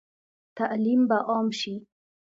تعلیم به عام شي؟